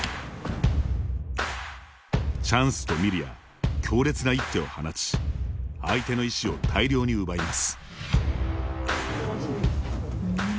チャンスと見るや強烈な一手を放ち相手の石を大量に奪います。